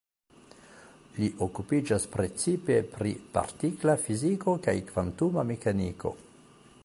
Li okupiĝas precipe pri partikla fiziko kaj kvantuma mekaniko.